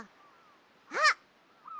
あっ！